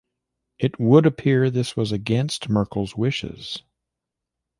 It would appear this was against Merkle's wishes.